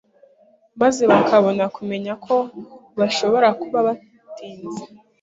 maze bakabona kumenya ko bashobora kuba batinze.